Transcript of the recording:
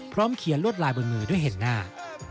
เขียนลวดลายบนมือด้วยเห็นหน้า